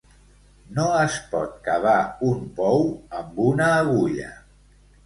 No es pot cavar un pou amb una agulla.